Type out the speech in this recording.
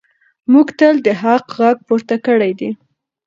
موږ تل د حق غږ پورته کړی دی.